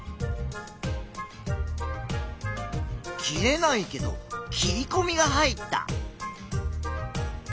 切れないけど切りこみが入った。